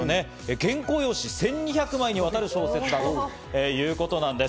原稿用紙１２００枚にわたる小説だということです。